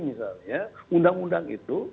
misalnya undang undang itu